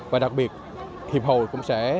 và đặc biệt huyệp hội cũng sẽ